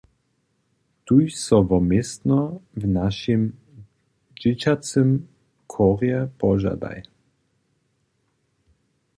Tuž so wo městno w našim dźěćacym chórje požadaj!